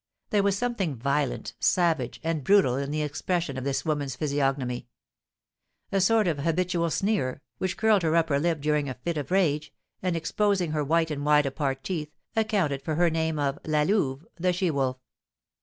There was something violent, savage, and brutal in the expression of this woman's physiognomy, a sort of habitual sneer, which curled her upper lip during a fit of rage, and, exposing her white and wide apart teeth, accounted for her name of La Louve (the she wolf).